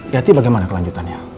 yati bagaimana kelanjutannya